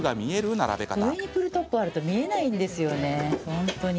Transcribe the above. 上にプルトップあると見えないんですよね、本当に。